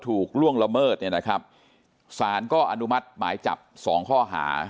ถูกร่วงละเมิดเนี้ยสารก็อนุมัติหมายจับสองข้อหา